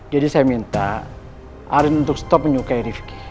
jadi saya minta arin untuk stop menyukai rifqi